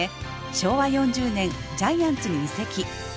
昭和４０年ジャイアンツに移籍。